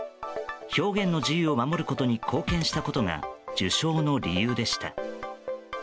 表現の自由を守ることに貢献したことが受賞の理由でした。